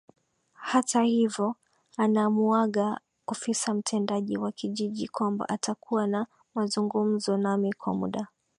Hata hivyo anamuaga ofisa mtendaji wa kijiji kwamba atakuwa na mazungumzo nami kwa muda